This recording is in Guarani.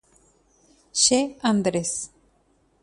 Che Andrés.